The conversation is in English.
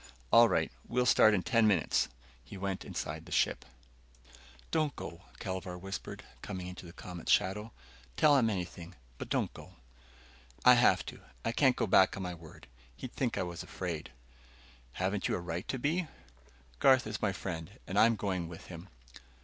"All right. We'll start in ten minutes." He went inside the ship. "Don't go," Kelvar whispered, coming into the Comet's shadow. "Tell him anything, but don't go." "I've got to. I can't go back on my word. He'd think I was afraid." "Haven't you a right to be?" "Garth is my friend and I'm going with him."